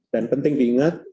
dan penting diingat